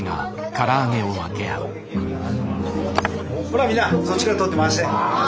ほらみんなそっちから取って回して。